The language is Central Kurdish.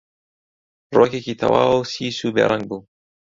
ڕووەکێکی تەواو سیس و بێڕەنگ بوو